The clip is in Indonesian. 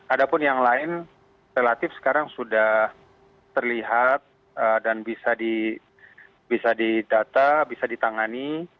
ada pun yang lain relatif sekarang sudah terlihat dan bisa didata bisa ditangani